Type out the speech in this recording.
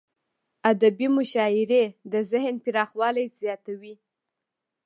ادبي مشاعريد ذهن پراخوالی زیاتوي.